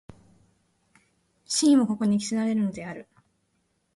思惟の真偽もここに決せられるのである。